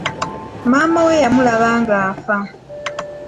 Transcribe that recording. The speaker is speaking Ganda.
Maama we yamulaba nga afa.